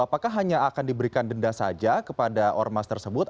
apakah hanya akan diberikan denda saja kepada ormas tersebut